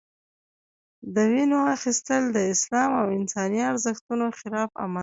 د وینو اخیستل د اسلام او انساني ارزښتونو خلاف عمل دی.